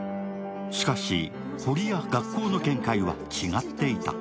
しかし、保利や学校の見解は違っていた。